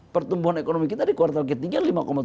pertumbuhan ekonomi kita di kuartal ketiga